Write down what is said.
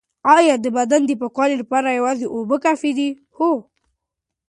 ایا د بدن د پاکوالي لپاره یوازې اوبه کافی دي؟